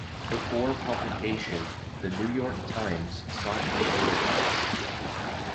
Before publication, "The New York Times" sought legal advice.